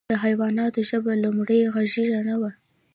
د حیواناتو ژبه لومړۍ غږیزه نه وه.